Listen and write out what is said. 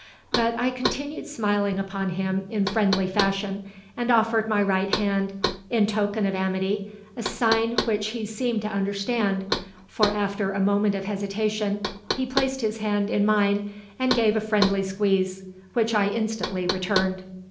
But I continued smiling upon him in friendly fashion, and offered my right hand, in token of amity, a sign which he seemed to understand, for after a moment of hesitation he placed his hand in mine and gave a friendly squeeze, which I instantly returned.